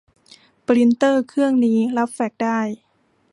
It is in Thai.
ปรินเตอร์เครื่องนี้รับแฟกซ์ได้